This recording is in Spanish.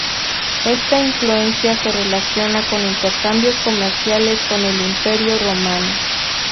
Esta influencia se relaciona con intercambios comerciales con el Imperio romano.